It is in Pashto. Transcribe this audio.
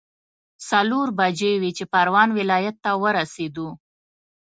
څلور بجې وې چې پروان ولايت ته ورسېدو.